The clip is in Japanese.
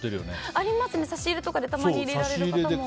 ありますね、差し入れとかにたまに入れられる方も。